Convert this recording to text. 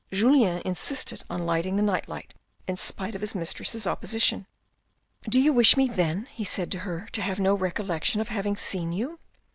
Julien insisted on lighting the nightlight in spite of his mistress's opposition. " Do you wish me then," he said to her " to have no recollection of having seen you."